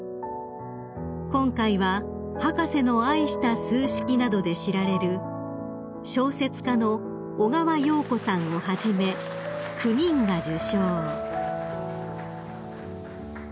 ［今回は『博士の愛した数式』などで知られる小説家の小川洋子さんをはじめ９人が受賞］